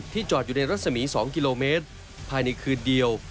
จอดอยู่ในรัศมี๒กิโลเมตรภายในคืนเดียว